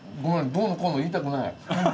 どうのこうの言いたくない。